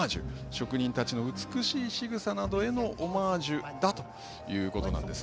職人たちの美しいしぐさへのオマージュだということなんです。